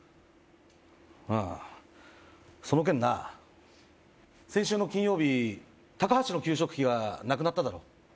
ああその件な先週の金曜日タカハシの給食費がなくなっただろう？